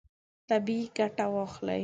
طبیعي ګټه واخلئ.